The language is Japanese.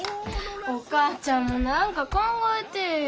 お母ちゃんも何か考えてえや。